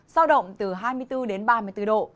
giao động từ hai mươi bốn đến ba mươi bốn độ